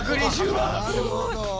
すごい。